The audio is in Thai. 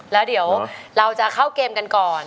แล้วเดี๋ยวเราจะเข้าเกมกันก่อน